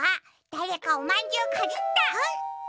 だれかおまんじゅうかじった！